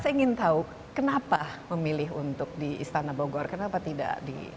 saya ingin tahu kenapa memilih untuk di istana bogor kenapa tidak di